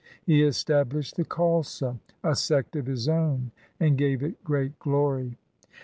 He established the Khalsa, a sect of his own, and gave it great glory.